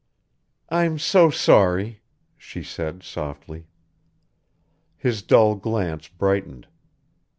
"I'm so sorry," she said softly. His dull glance brightened.